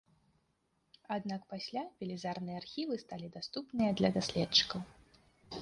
Аднак пасля велізарныя архівы сталі даступныя для даследчыкаў.